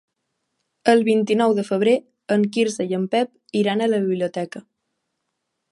El vint-i-nou de febrer en Quirze i en Pep iran a la biblioteca.